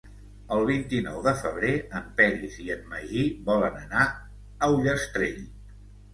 El vint-i-nou de febrer en Peris i en Magí volen anar a Ullastrell.